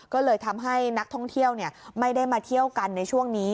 ก็เลยทำให้นักท่องเที่ยวไม่ได้มาเที่ยวกันในช่วงนี้